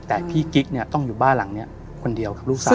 แต่พี่กิ๊กเนี่ยต้องอยู่บ้านหลังนี้คนเดียวกับลูกสาว